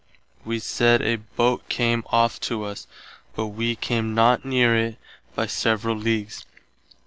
Wee said a boat came off to us, but [wee] came not near itt by several leagues.